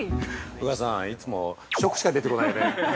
◆宇賀さん、いつも食しか出てこないね。